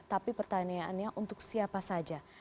tapi pertanyaannya untuk siapa saja